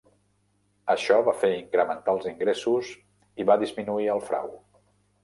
Això va fer incrementar els ingressos i va disminuir el frau.